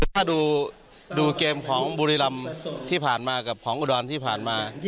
ถ้าดูเกมของบุรีรำที่ผ่านมากับของอุดรที่ผ่านมา